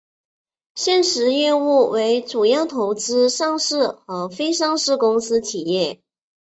现时业务为主要投资上市和非上市公司企业。